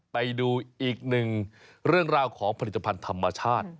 ไปดูอีกหนึ่งเรื่องราวของผลิตภัณฑ์ธรรมชาติ